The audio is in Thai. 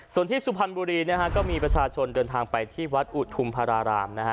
ส่วนที่สุพรรณบุรีนะฮะก็มีประชาชนเดินทางไปที่วัดอุทุมภารารามนะฮะ